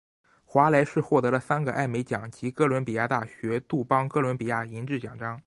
华莱士获得了三个艾美奖以及哥伦比亚大学杜邦哥伦比亚银质奖章。